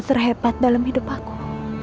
hah neuroscience tandem sudah ada